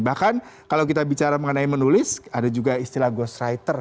bahkan kalau kita bicara mengenai menulis ada juga istilah ghost writer